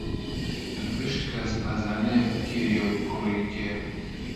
گشت کەس ئەزانێ کێیە و کوڕی کێ